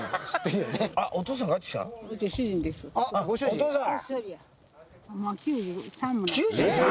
お父さん！